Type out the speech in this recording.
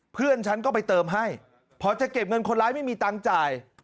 เพื่อนฉันก็ไปเติมให้พอจะเก็บเงินคนร้ายไม่มีตังค์จ่าย